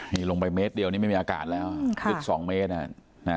นี่ลงไปเมตรเดียวนี่ไม่มีอากาศแล้วลึก๒เมตร